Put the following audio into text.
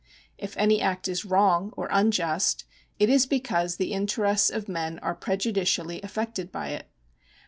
If any act is wrong or unjust, it is because the interests of men are prejudicially affected by it.